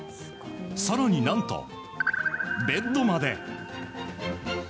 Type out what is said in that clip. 更に何とベッドまで。